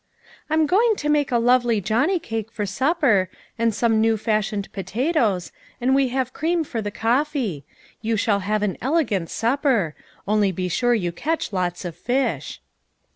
" I'm going to make a lovely johnny cake for supper, and some new fashioned potatoes, and we have cream for the coffee. You shall have an elegant supper ; only be sure you catch lots of fish."